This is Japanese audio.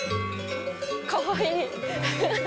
かわいい。